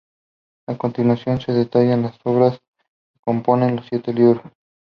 A continuación se detallan las obras que componen los siete libros.